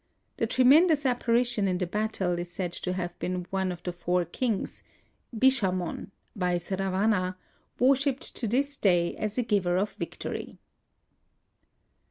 The tre mendous apparition in the battle is said to have been one of the Four Kings, — Bisha mon (Yaisravana), worshiped to this day as a giver of victory.